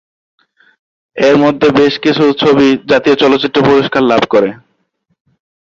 এর মধ্যে বেশ কিছু ছবি জাতীয় চলচ্চিত্র পুরস্কার লাভ করে।